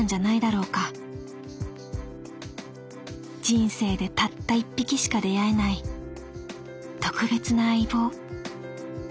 人生でたった１匹しか出会えない特別な相棒。